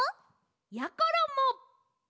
やころも！